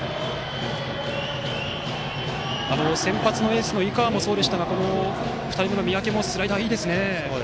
先発エースの井川もそうでしたが２人目の三宅もスライダーがいいですね。